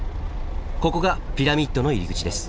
ここがピラミッドの入り口です。